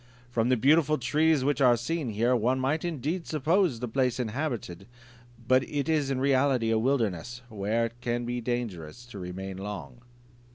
From the beautiful trees which are seen here, one might indeed suppose the place inhabited; but it is in reality a wilderness, where it is dangerous to remain long."